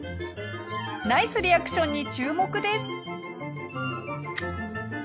ナイスリアクションに注目です。